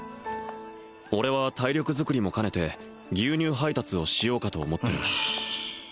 俺は体力作りもかねて牛乳配達をしようかと思ってる